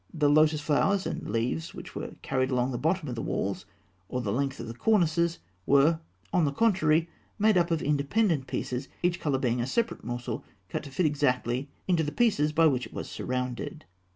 The lotus flowers and leaves which were carried along the bottom of the walls or the length of the cornices, were, on the contrary, made up of independent pieces; each colour being a separate morsel cut to fit exactly into the pieces by which it was surrounded (fig.